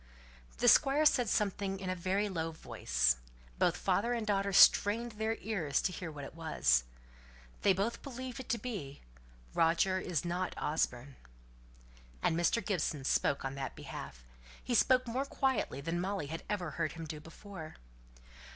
The Squire said something in a very low voice. Both father and daughter strained their ears to hear what it was. They both believed it to be, "Roger isn't Osborne!" And Mr. Gibson spoke on that belief. He spoke more quietly than Molly had ever heard him do before.